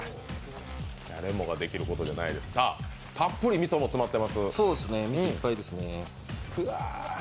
さあ、たっぷりみそも詰まってます